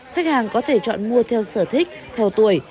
khách hàng có thể chọn mua theo sở thích theo tuổi